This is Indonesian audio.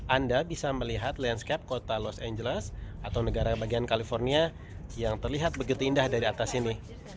anda bisa melihat landscape kota los angeles atau negara bagian california yang terlihat begitu indah dari atas ini